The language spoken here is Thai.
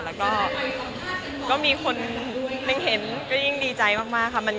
แล้วก็มีคนหนึ่งเห็นก็ยิ่งดีใจมากค่ะ